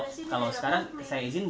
jadi kita minta ampun juga minta maaf